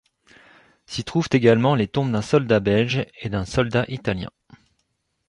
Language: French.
S'y trouvent également les tombes d'un soldat belge et d'un soldat italien.